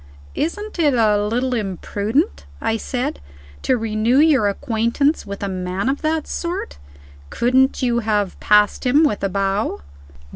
"Isn't it a little imprudent," I said, "to renew your acquaintance with a man of that sort? Couldn't you have passed him, with a bow?"